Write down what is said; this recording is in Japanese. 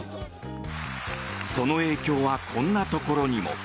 その影響はこんなところにも。